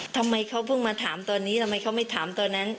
ทำไมเขาเพิ่งมาถามตอนนี้ทำไมเขาไม่ถามตอนนั้น